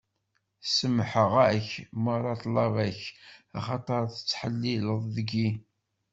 Semmḥeɣ-ak meṛṛa ṭṭlaba-k, axaṭer tettḥellileḍ deg-i.